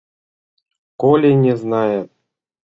Коли не знает!